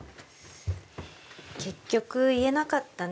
結局言えなかったね